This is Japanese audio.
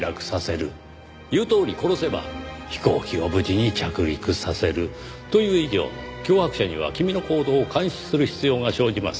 言うとおり殺せば飛行機を無事に着陸させる。という以上脅迫者には君の行動を監視する必要が生じます。